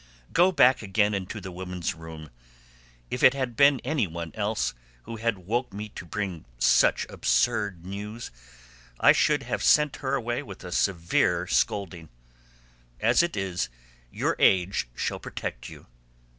Go back again into the women's room; if it had been any one else who had woke me up to bring me such absurd news I should have sent her away with a severe scolding. As it is your age shall protect you."